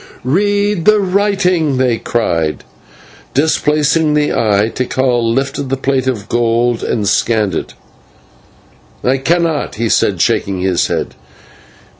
"Read the writing!" they cried. Displacing the eye, Tikal lifted the plate of gold and scanned it. "I cannot," he said, shaking his head.